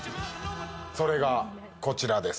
それがこちらです。